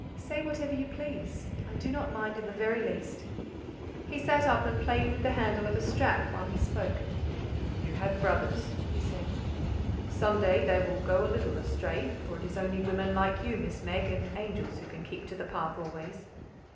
"Say whatever you please, I do not mind in the very least." He sat up and played with the handle of a strap while he spoke. "You have brothers," he said; "some day they will go a little astray for it is only women like you, Miss Meg, and angels who can keep to the path always.